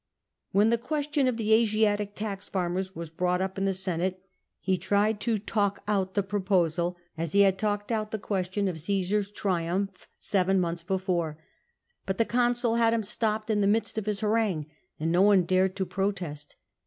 When the question of the Asiatic tax farmers was brought up in the Senate, he tried to " talk out '' the proposal, as he had 2I8 CATO talked out the question of Caesar's triumph, seven months before. But the consul had him stopped in the midst of his harangue, and no one dared to protest.